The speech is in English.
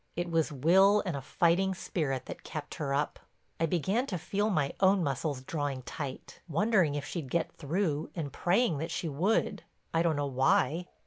It was will and a fighting spirit that kept her up. I began to feel my own muscles drawing tight, wondering if she'd get through and praying that she would—I don't know why.